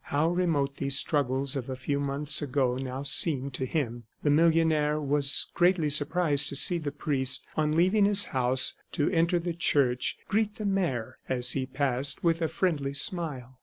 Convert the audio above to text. How remote these struggles of a few months ago now seemed to him! ... The millionaire was greatly surprised to see the priest, on leaving his house to enter the church, greet the mayor as he passed, with a friendly smile.